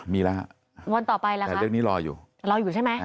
มีแล้วค่ะแต่เรื่องนี้รออยู่รออยู่ใช่ไหม